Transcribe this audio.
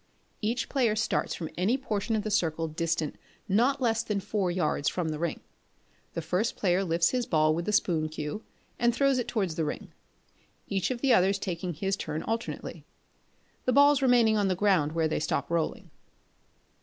Each player starts from any portion of the circle distant not less than four yards from the ring. The first player lifts his ball with the spoon cue, and throws it towards the ring; each of the others taking his turn alternately the balls remaining on the ground where they stop rolling.